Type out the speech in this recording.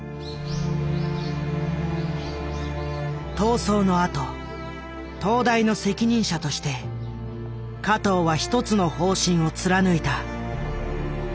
闘争のあと東大の責任者として加藤は一つの方針を貫いた。